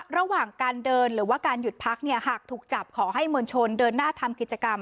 ระหว่างการเดินหรือว่าการหยุดพักเนี่ยหากถูกจับขอให้มวลชนเดินหน้าทำกิจกรรม